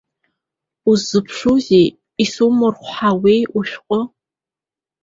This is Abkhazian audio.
Узыԥшузеи, исумырхәҳауеи ушәҟәы.